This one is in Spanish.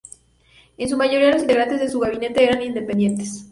En su mayoría los integrantes de su gabinete eran independientes.